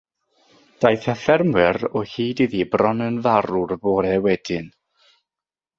Daeth y ffermwr o hyd iddi bron yn farw'r bore wedyn.